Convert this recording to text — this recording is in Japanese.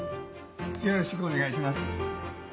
よろしくお願いします。